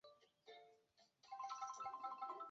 也是旅游宗教胜地。